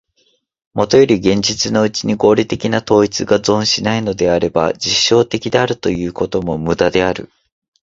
もとより現実のうちに合理的な統一が存しないならば、実証的であるということも無駄である。